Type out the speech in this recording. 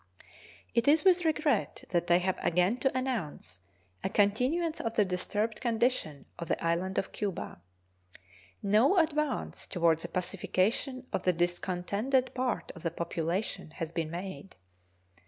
It is with regret that I have again to announce a continuance of the disturbed condition of the island of Cuba. No advance toward the pacification of the discontented part of the population has been made.